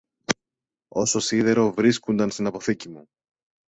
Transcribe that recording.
Όσο σίδερο βρίσκουνταν στην αποθήκη μου